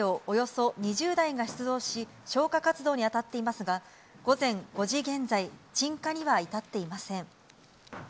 およそ２０台が出動し、消火活動に当たっていますが、午前５時現在、鎮火には至っていません。